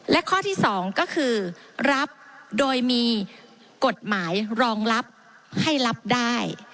และข้อที่๒ก็คือรับโดยมีกฎหมายรองรับให้รับได้